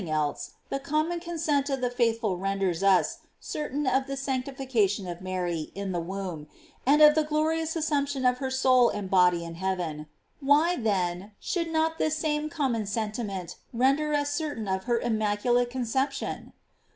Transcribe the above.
else, the common consent of the faithful renders us certain of the sanctification of Mary in the womb, and of the glorious assumption of Let soul and body in heaven ; why, then, should not this same common sentiment render us certain of her immaculate conception?